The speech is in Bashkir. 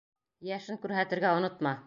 Йәшен күрһәтергә онотма.